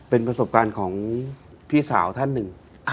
เป็นประสบการณ์ของพี่สาวท่านหนึ่ง